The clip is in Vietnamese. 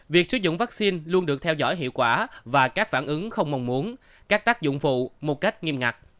việc sử dụng vaccine luôn được theo dõi hiệu quả và các phản ứng không mong muốn các tác dụng phụ một cách nghiêm ngặt